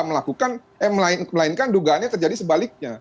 melakukan eh melainkan dugaannya terjadi sebaliknya